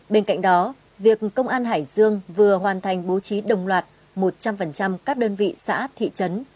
bên cạnh đó việc công an hải dương vừa hoàn thành bố trí đồng loạt một trăm linh các đơn vị xã thị trấn